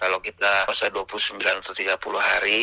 kalau kita puasa dua puluh sembilan atau tiga puluh hari